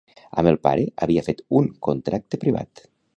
Amb el pare havia fet un contracte privat.